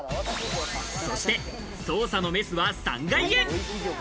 そして捜査のメスは３階へ。